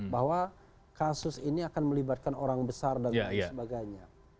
bahwa kasus ini akan melibatkan orang besar dan lain sebagainya